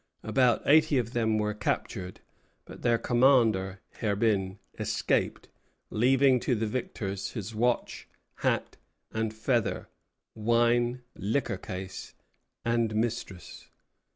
About eighty of them were captured; but their commander, Herbin, escaped, leaving to the victors his watch, hat and feather, wine, liquor case, and mistress.